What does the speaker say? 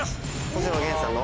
星野源さんの。